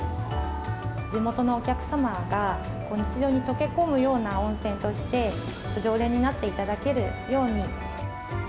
地元のお客様が日常に溶け込むような温泉として、常連になっていただけるように。